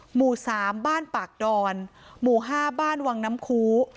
หมู่๓บ้านปากดอนหมู่๕บ้านวังน้ำคู